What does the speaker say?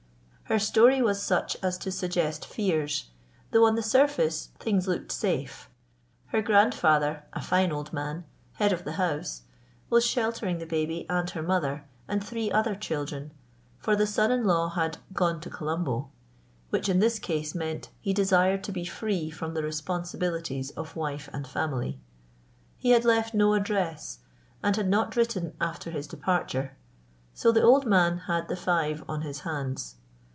Her story was such as to suggest fears, though on the surface things looked safe. Her grandfather, a fine old man, head of the house, was sheltering the baby and her mother and three other children; for the son in law had "gone to Colombo," which in this case meant he desired to be free from the responsibilities of wife and family. He had left no address, and had not written after his departure. So the old man had the five on his hands.